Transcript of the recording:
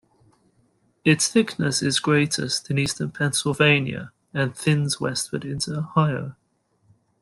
Its thickness is greatest in eastern Pennsylvania and thins westward into Ohio.